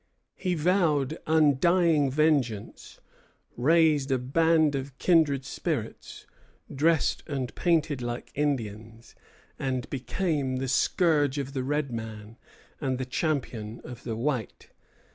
He vowed undying vengeance, raised a band of kindred spirits, dressed and painted like Indians, and became the scourge of the red man and the champion of the white.